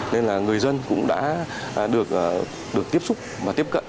nên là người dân cũng đã được tiếp xúc và tiếp cận